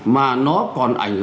mà nó còn ảnh hưởng